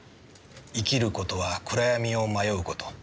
「生きることは暗闇を迷うこと」